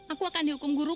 aku akan dihukum guruku